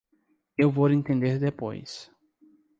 Eu vou entender depois